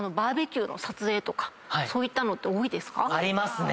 ありますね！